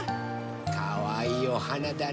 かわいいおはなだね。